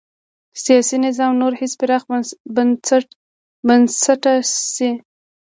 سیاسي نظام نور هم پراخ بنسټه شي.